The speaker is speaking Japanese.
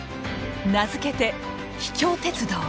名付けて「秘境鉄道」。